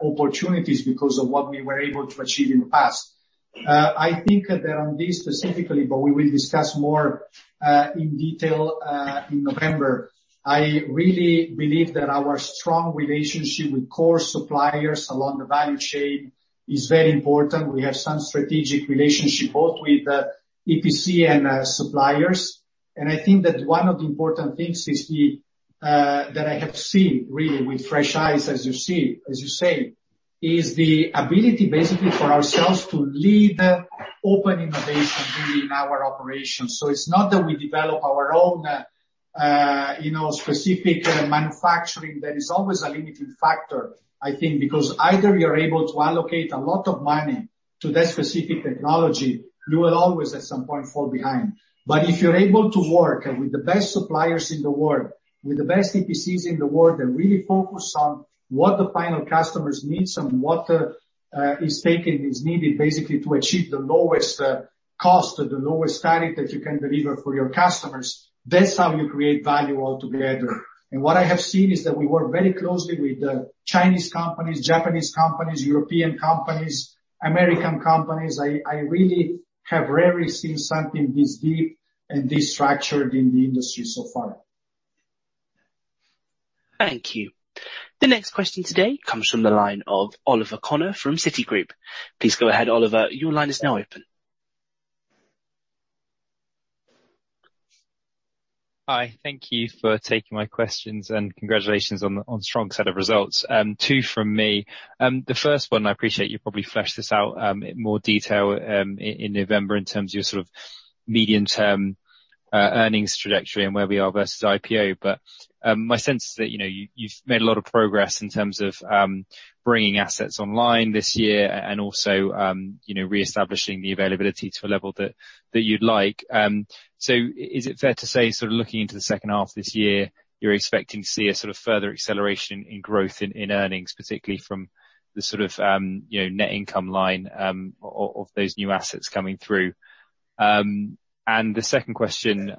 S3: opportunities because of what we were able to achieve in the past. I think that on this specifically, we will discuss more in detail in November. I really believe that our strong relationship with core suppliers along the value chain is very important. We have some strategic relationship both with EPC and suppliers. I think that one of the important things, that I have seen really with fresh eyes as you say, is the ability basically for ourselves to lead open innovation really in our operations. It's not that we develop our own specific manufacturing. That is always a limiting factor, I think, because either you are able to allocate a lot of money to that specific technology, you will always at some point fall behind. If you're able to work with the best suppliers in the world, with the best EPCs in the world, and really focus on what the final customers need and what the- is taken is needed basically to achieve the lowest cost or the lowest tariff that you can deliver for your customers. That's how you create value altogether. What I have seen is that we work very closely with Chinese companies, Japanese companies, European companies, American companies. I really have rarely seen something this deep and this structured in the industry so far.
S1: Thank you. The next question today comes from the line of Oliver Connor from Citigroup. Please go ahead, Oliver. Your line is now open.
S6: Hi. Thank you for taking my questions and congratulations on the strong set of results. Two from me. The first one, I appreciate you'll probably flesh this out in more detail in November in terms of your sort of medium-term earnings trajectory and where we are versus IPO. My sense is that you've made a lot of progress in terms of bringing assets online this year and also reestablishing the availability to a level that you'd like. Is it fair to say, sort of looking into the second half this year, you're expecting to see a sort of further acceleration in growth in earnings, particularly from the sort of net income line of those new assets coming through? The second question,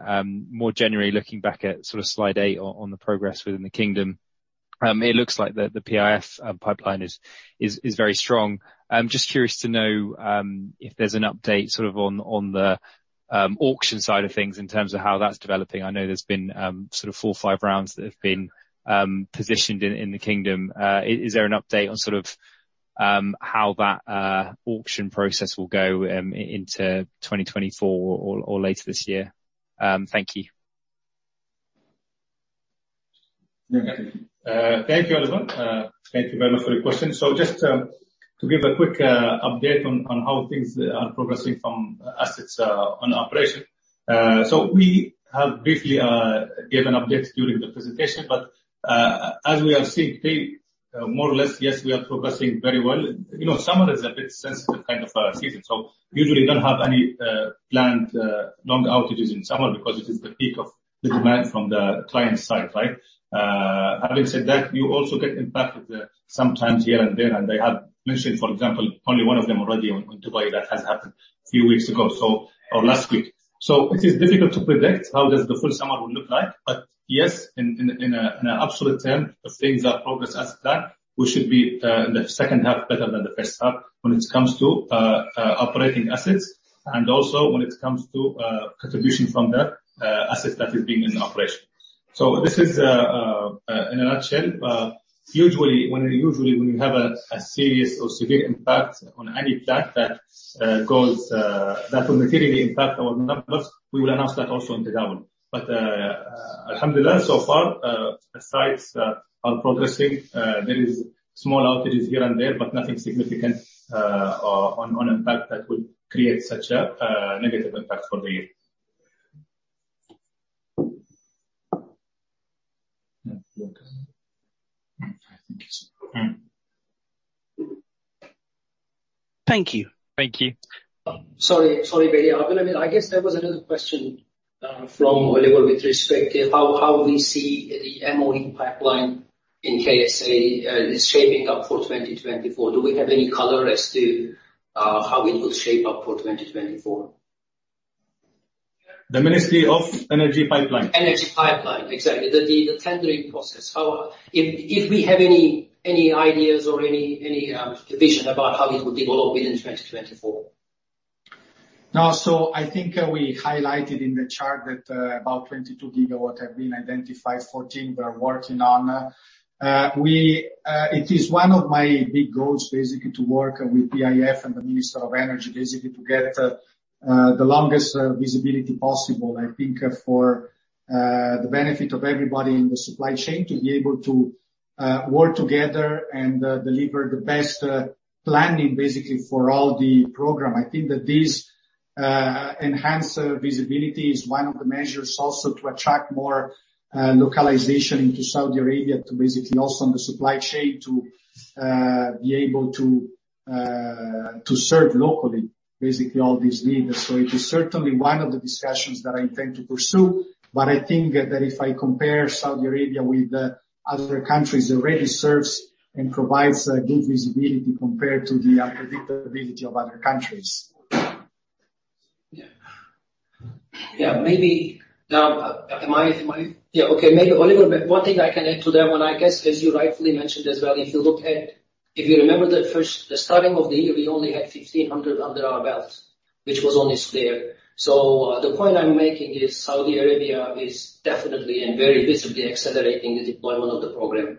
S6: more generally looking back at sort of slide eight on the progress within the Kingdom, it looks like the PIF pipeline is very strong. Just curious to know if there's an update sort of on the auction side of things in terms of how that's developing. I know there's been sort of four or five rounds that have been positioned in the Kingdom. Is there an update on sort of how that auction process will go into 2024 or later this year? Thank you.
S2: Thank you.
S4: Thank you, Oliver. Thank you very much for the question. Just to give a quick update on how things are progressing from assets on operation. We have briefly given updates during the presentation, but as we have seen, more or less, yes, we are progressing very well. Summer is a bit sensitive kind of season, so usually you don't have any planned long outages in summer because it is the peak of the demand from the client side, right? Having said that, you also get impacted sometimes here and there, and I have mentioned, for example, only one of them already on Dubai that has happened a few weeks ago or last week. It is difficult to predict how does the full summer would look like. Yes, in an absolute term, if things are progress as that, we should be the second half better than the first half when it comes to operating assets and also when it comes to contribution from the asset that is being in operation. This is in a nutshell. Usually when you have a serious or severe impact on any plant that will materially impact our numbers, we will announce that also on the ground. Alhamdulillah, so far, sites are progressing. There is small outages here and there, but nothing significant on impact that would create such a negative impact for the year.
S2: Yeah. Okay. Thank you, sir.
S1: Thank you.
S6: Thank you.
S2: Sorry. Sorry, Abdulhameed. I guess there was another question from Oliver with respect to how we see the MOE pipeline in KSA shaping up for 2024. Do we have any color as to how it will shape up for 2024?
S4: The Ministry of Energy pipeline?
S2: Energy pipeline, exactly. The tendering process. If we have any ideas or any vision about how it will develop within 2024.
S4: No. I think we highlighted in the chart that about 22 gigawatts have been identified, 14 we are working on. It is one of my big goals basically to work with PIF and the Ministry of Energy, basically to get the longest visibility possible, I think for the benefit of everybody in the supply chain to be able to work together and deliver the best planning basically for all the program. I think that this enhanced visibility is one of the measures also to attract more localization into Saudi Arabia to basically also on the supply chain to be able to serve locally, basically all these needs. It is certainly one of the discussions that I intend to pursue, but I think that if I compare Saudi Arabia with other countries, it already serves and provides good visibility compared to the unpredictability of other countries.
S2: Maybe one thing I can add to that one, I guess, as you rightfully mentioned as well, if you look at— If you remember the first, the starting of the year, we only had 1,500 under our belt, which was on this there. The point I'm making is Saudi Arabia is definitely and very visibly accelerating the deployment of the program.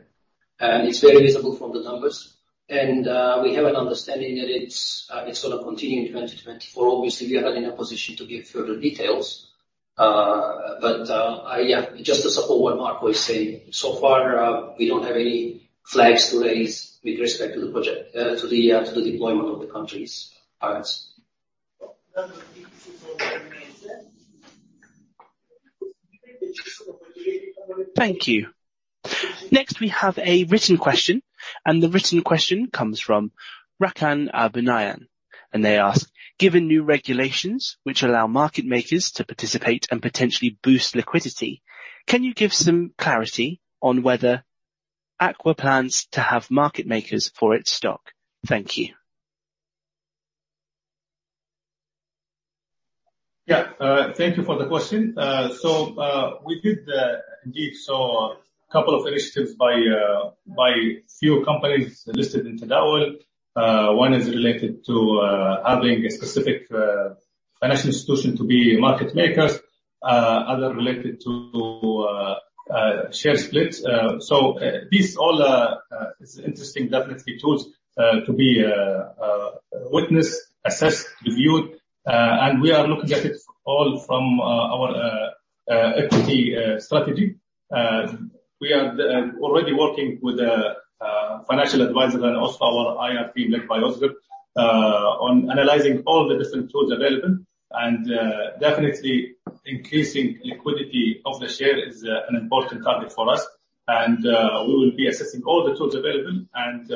S2: It's very visible from the numbers. We have an understanding that it's going to continue in 2024. Obviously, we are not in a position to give further details. Just to support what Marco is saying, so far, we don't have any flags to raise with respect to the deployment of the country's parts.
S1: Thank you. Next, we have a written question, and the written question comes from Rakan Abunayyan. They ask, "Given new regulations which allow market makers to participate and potentially boost liquidity, can you give some clarity on whether ACWA plans to have market makers for its stock? Thank you.
S4: Thank you for the question. We did, indeed, saw a couple of initiatives by few companies listed in Tadawul. One is related to having a specific financial institution to be market makers. Other related to share splits. These all are interesting, definitely, tools to be witnessed, assessed, reviewed. We are looking at it all from our equity strategy. We are already working with a financial advisor and also our IR team led by Oswin, on analyzing all the different tools available. Definitely, increasing liquidity of the share is an important target for us. We will be assessing all the tools available and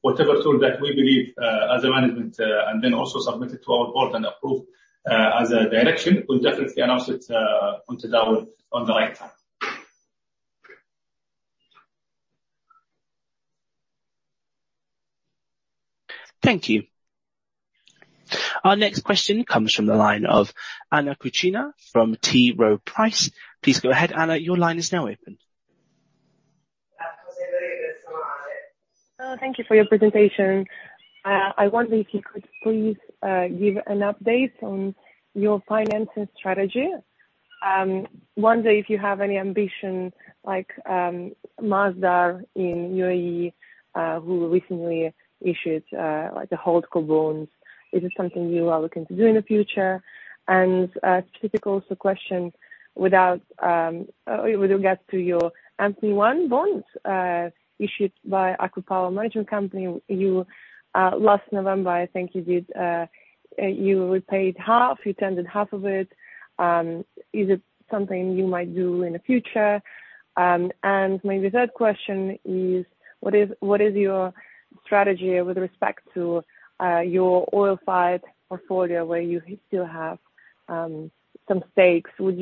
S4: whatever tool that we believe as a management, and then also submit it to our board and approve as a direction. We'll definitely announce it on Tadawul on the right time.
S1: Thank you. Our next question comes from the line of Anna Kuchina from T. Rowe Price. Please go ahead, Anna. Your line is now open.
S7: Thank you for your presentation. I wonder if you could please give an update on your financing strategy. I wonder if you have any ambition like Masdar in U.A.E., who recently issued the holdco bonds. Is it something you are looking to do in the future? A specific also question with regards to your MP1 bonds issued by ACWA Power Management Company. Last November, I think you repaid half, you tendered half of it. Is it something you might do in the future? My third question is, what is your strategy with respect to your oil fired portfolio where you still have some stakes? We've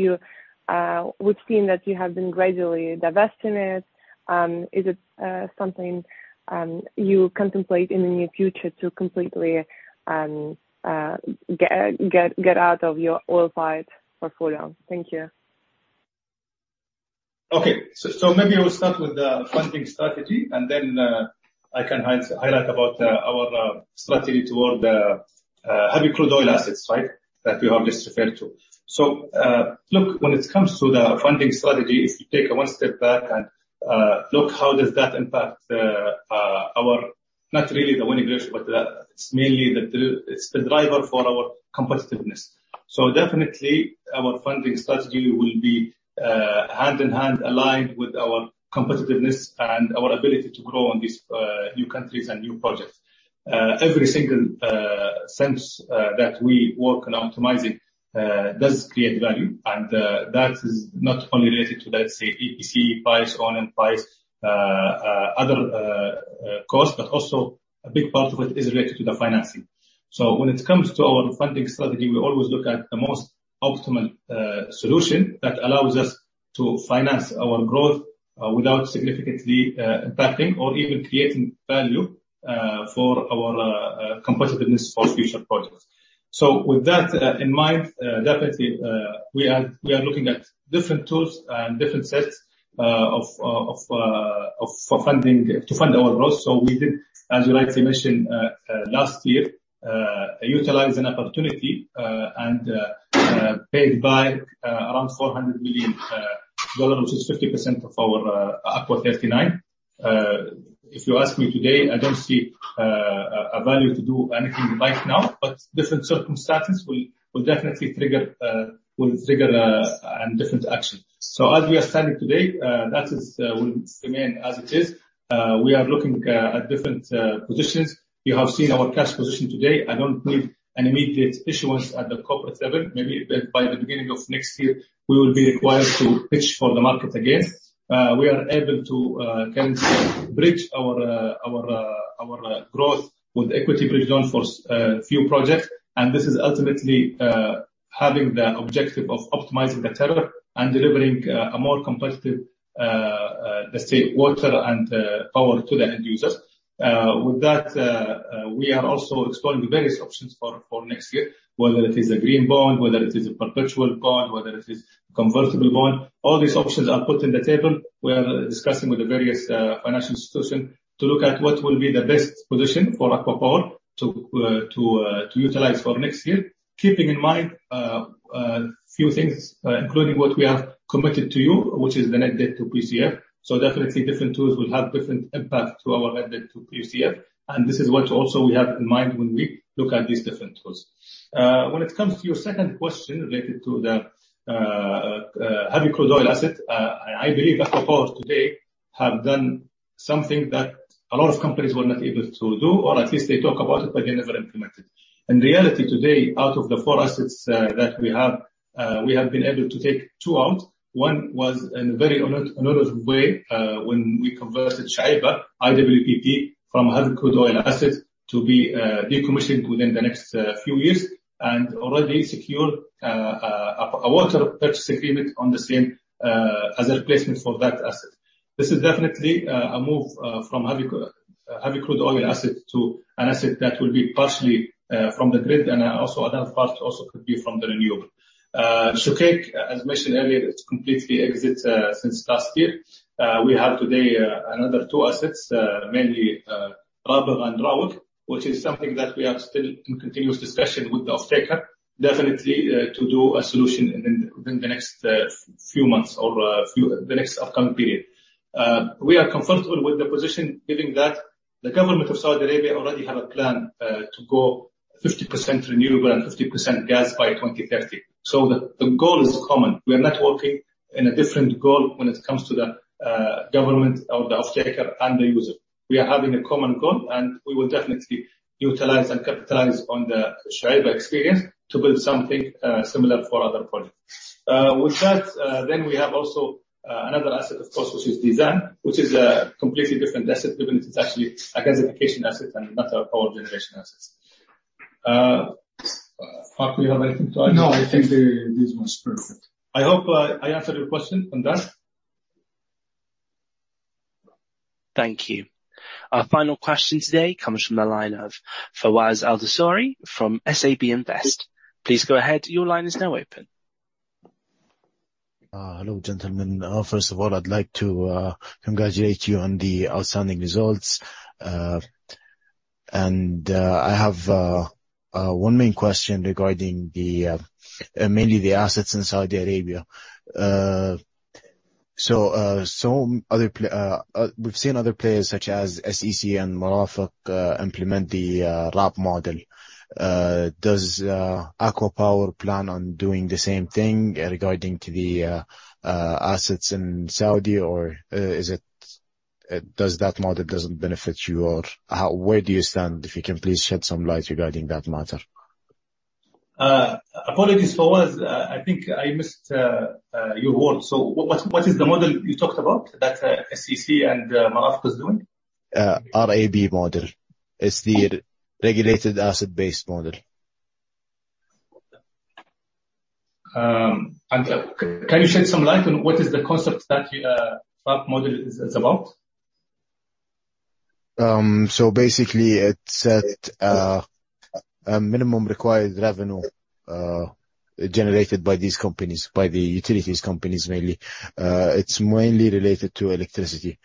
S7: seen that you have been gradually divesting it. Is it something you contemplate in the near future to completely get out of your oil fired portfolio? Thank you.
S4: Okay. Maybe we'll start with the funding strategy, then I can highlight about our strategy toward the heavy crude oil assets, right? That you have just referred to. Look, when it comes to the funding strategy, if you take one step back and look how does that impact not really the winning ratio, but it's mainly the driver for our competitiveness. Definitely, our funding strategy will be hand-in-hand aligned with our competitiveness and our ability to grow on these new countries and new projects. Every single cent that we work on optimizing does create value, and that is not only related to, let's say, EPC price on and price other costs, but also a big part of it is related to the financing. When it comes to our funding strategy, we always look at the most optimal solution that allows us to finance our growth without significantly impacting or even creating value for our competitiveness for future projects. With that in mind, definitely, we are looking at different tools and different sets to fund our growth. We did, as you rightly mentioned, last year, utilized an opportunity and paid back around SAR 400 million, which is 50% of our ACWA 39. If you ask me today, I don't see a value to do anything right now, but different circumstances will definitely trigger a different action. As we are standing today, that will remain as it is. We are looking at different positions. You have seen our cash position today. I don't need an immediate issuance at the corporate level. Maybe by the beginning of next year, we will be required to pitch for the market again. We are able to currently bridge our growth with equity bridge done for a few projects, and this is ultimately having the objective of optimizing the tariff and delivering a more competitive, let's say, water and power to the end users. With that, we are also exploring various options for next year, whether it is a green bond, whether it is a perpetual bond, whether it is a convertible bond. All these options are put in the table. We are discussing with the various financial institution to look at what will be the best position for ACWA Power to utilize for next year. Keeping in mind few things, including what we have committed to you, which is the net debt to POCF. Definitely different tools will have different impact to our net debt to POCF, and this is what also we have in mind when we look at these different tools. When it comes to your second question related to the heavy crude oil asset, I believe ACWA Power today have done something that a lot of companies were not able to do, or at least they talk about it, but they never implemented. In reality today, out of the four assets that we have, we have been able to take two out. One was in a very honorable way when we converted Shuaibah IWPP from heavy crude oil asset to be decommissioned within the next few years, and already secured a water purchase agreement on the same as a replacement for that asset. This is definitely a move from heavy crude oil asset to an asset that will be partially from the grid, and also another part also could be from the renewable. Shuqaiq, as mentioned earlier, it's completely exit since last year. We have today another two assets, mainly Rabigh and Rawdat, which is something that we are still in continuous discussion with the off-taker, definitely to do a solution within the next few months or the next upcoming period. We are comfortable with the position given that the government of Saudi Arabia already have a plan to go 50% renewable and 50% gas by 2030. The goal is common. We are not working in a different goal when it comes to the government or the off-taker and the user. We are having a common goal. We will definitely utilize and capitalize on the Shuaibah experience to build something similar for other projects. With that, we have also another asset, of course, which is Dhuruma, which is a completely different asset, given it's actually a gasification asset and not a power generation asset. Marco, you have anything to add?
S3: No, I think this one's perfect.
S4: I hope I answered your question on that.
S1: Thank you. Our final question today comes from the line of Fawaz Al-Dossary from SAB Invest. Please go ahead. Your line is now open.
S8: Hello, gentlemen. First of all, I'd like to congratulate you on the outstanding results. I have one main question regarding mainly the assets in Saudi Arabia. We've seen other players such as SEC and Marafiq implement the RAB model. Does ACWA Power plan on doing the same thing regarding to the assets in Saudi? Does that model doesn't benefit you, or where do you stand? If you can please shed some light regarding that matter.
S4: Apologies, Fawaz. I think I missed your word. What is the model you talked about that SEC and Marafiq is doing?
S8: RAB model. It's the regulated asset base model.
S4: Can you shed some light on what is the concept that RAB model is about?
S8: basically, it set a minimum required revenue generated by these companies, by the utilities companies mainly. It is mainly related to electricity.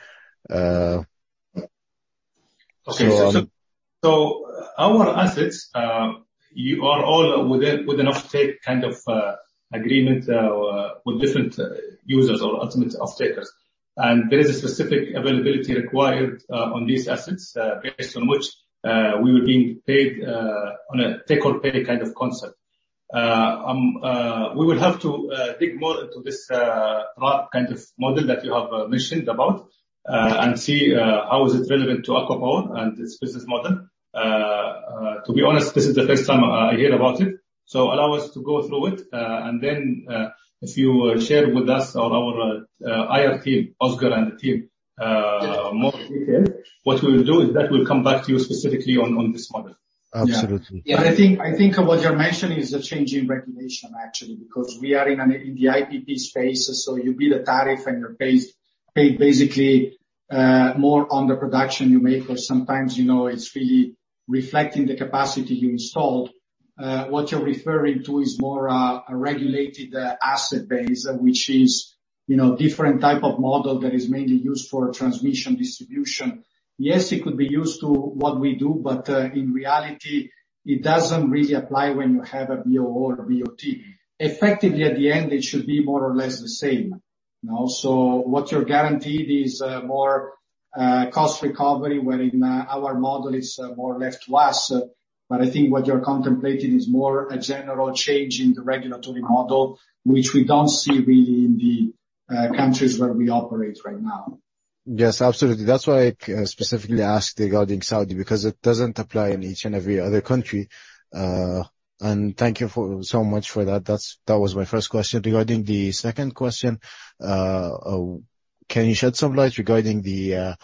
S4: Okay. our assets are all with an off-take kind of agreement with different users or ultimate off-takers. There is a specific availability required on these assets, based on which we were being paid on a take-or-pay kind of concept. We will have to dig more into this RAB kind of model that you have mentioned about, and see how is it relevant to ACWA Power and its business model. To be honest, this is the first time I hear about it. allow us to go through it, and then if you share with us or our IR team, Ozgur and the team, more details, what we will do is that we will come back to you specifically on this model.
S8: Absolutely.
S3: Yeah. I think what you are mentioning is a change in regulation actually, because we are in the IPP space. you build a tariff and you are paid basically more on the production you make, or sometimes it is really reflecting the capacity you installed. What you are referring to is more a regulated asset base, which is different type of model that is mainly used for transmission distribution. Yes, it could be used to what we do, but in reality, it does not really apply when you have a BOO or a BOT. Effectively at the end, it should be more or less the same. What you are guaranteed is more cost recovery, wherein our model is more left to us. I think what you are contemplating is more a general change in the regulatory model, which we do not see really in the countries where we operate right now.
S8: Yes, absolutely. That is why I specifically asked regarding Saudi, because it does not apply in each and every other country. thank you so much for that. That was my first question. Regarding the second question, can you shed some light regarding the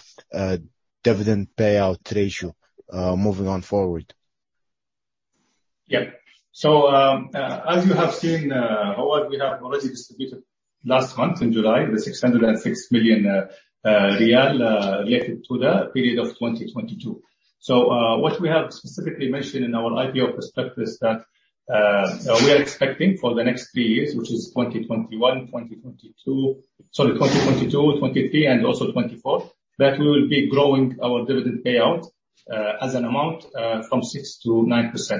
S8: dividend payout ratio moving on forward?
S4: As you have seen, Fawaz, we have already distributed last month in July, SAR 606 million related to the period of 2022. What we have specifically mentioned in our IPO prospectus is that we are expecting for the next three years, which is 2021, 2022. Sorry, 2022, 2023, and also 2024, that we will be growing our dividend payout, as an amount, from 6%-9%.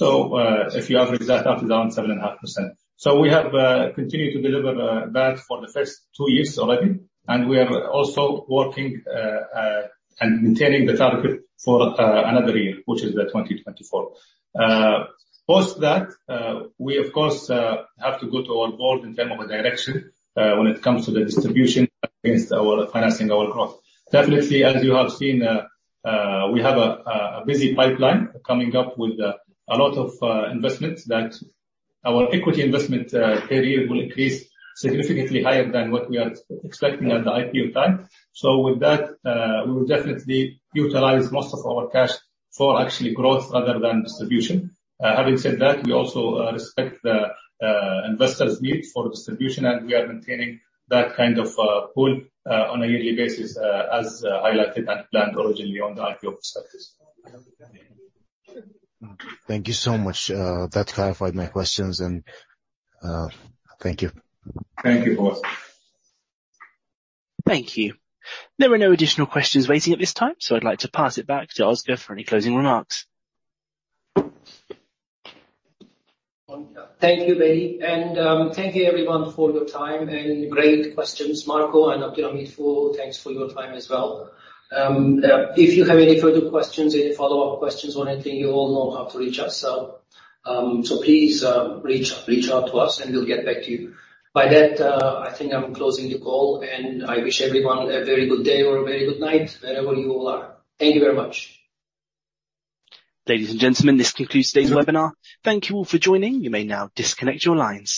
S4: If you average that out around 7.5%. We have continued to deliver that for the first two years already, and we are also working and maintaining the target for another year, which is 2024. Post that, we of course have to go to our board in term of a direction when it comes to the distribution against our financing our growth. Definitely, as you have seen, we have a busy pipeline coming up with a lot of investments that our equity investment per year will increase significantly higher than what we are expecting at the IPO time. With that, we will definitely utilize most of our cash for actually growth rather than distribution. Having said that, we also respect the investors' need for distribution, and we are maintaining that kind of pool on a yearly basis, as highlighted and planned originally on the IPO prospectus.
S8: Thank you so much. That clarified my questions, and thank you.
S4: Thank you, Fawaz.
S1: Thank you. There are no additional questions waiting at this time. I'd like to pass it back to Ozgur for any closing remarks.
S2: Thank you, Bailey. Thank you everyone for your time and great questions. Marco and Abdulhameed Fu, thanks for your time as well. If you have any further questions, any follow-up questions or anything, you all know how to reach us. Please reach out to us, and we'll get back to you. By that, I think I'm closing the call, and I wish everyone a very good day or a very good night, wherever you all are. Thank you very much.
S1: Ladies and gentlemen, this concludes today's webinar. Thank you all for joining. You may now disconnect your lines.